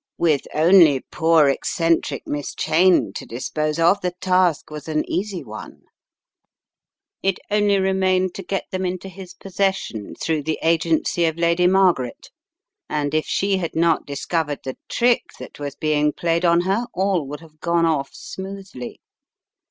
With only poor eccen tric Miss Cheyne to dispose of, the task was an easy one. It only remained to get them into his posses sion through the agency of Lady Margaret, and if she had not discovered the trick that was being played on her, all would have gone off smoothly.